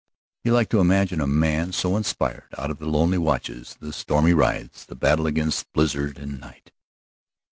He liked to imagine a man so inspired out of the lonely watches, the stormy rides, the battle against blizzard and night.